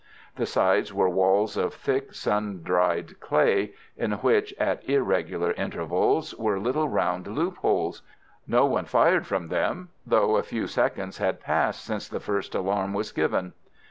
The sides were walls of thick, sun dried clay, in which, at irregular intervals, were little round loopholes. No one fired from them, though a few seconds had passed since the first alarm was given.